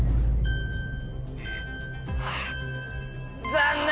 残念！